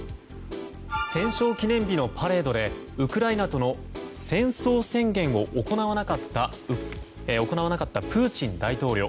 戦勝記念日のパレードでウクライナとの戦争宣言を行わなかったプーチン大統領。